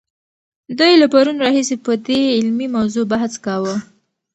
دوی له پرون راهیسې په دې علمي موضوع بحث کاوه.